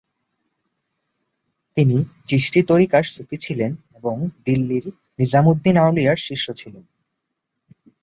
তিনি চিশতী তরিকার সুফি ছিলেন এবং দিল্লির নিজামুদ্দিন আউলিয়ার শিষ্য ছিলেন।